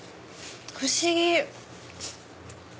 不思議！